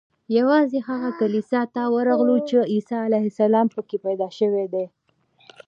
یوازې هغه کلیسا ته ورغلو چې عیسی علیه السلام په کې پیدا شوی دی.